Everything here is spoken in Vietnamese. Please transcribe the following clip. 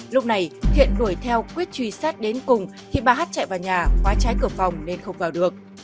lúc này thiện đuổi theo quyết truy sát đến cùng thì bà hát chạy vào nhà khóa trái cửa phòng nên không vào được